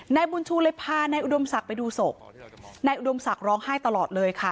นายบุญชูเลยพานายอุดมศักดิ์ไปดูศพนายอุดมศักดิ์ร้องไห้ตลอดเลยค่ะ